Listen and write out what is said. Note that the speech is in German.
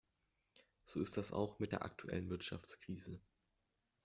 So ist das auch mit der aktuellen Wirtschaftskrise.